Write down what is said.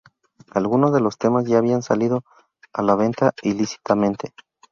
Algunos de los temas, ya habían salido a la venta ilícitamente.